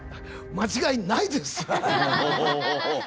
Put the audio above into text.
間違いないです！